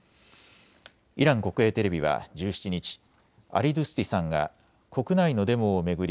イラン国営テレビは１７日、アリドゥスティさんが国内のデモを巡り